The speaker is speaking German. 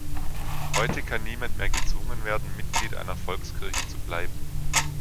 Heute kann niemand mehr gezwungen werden, Mitglied einer Volkskirche zu bleiben.